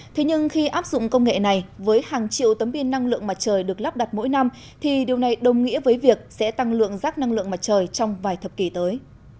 thế nhưng khi áp dụng công nghệ này với hàng triệu tấm pin năng lượng mặt trời được lắp đặt mỗi năm thì điều này đồng nghĩa với việc sẽ tăng lượng rác năng lượng mặt trời trong vài thập kỷ tới